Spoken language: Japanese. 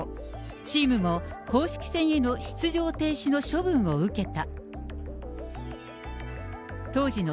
チームも公式戦への出場停止の処分を受けた。